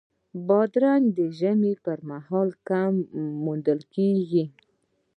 بادرنګ د ژمي پر مهال کم موندل کېږي.